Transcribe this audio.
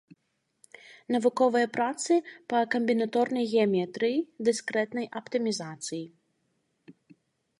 Навуковыя працы па камбінаторнай геаметрыі, дыскрэтнай аптымізацыі.